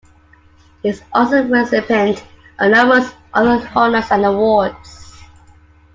He is also the recipient of numerous other honors and awards.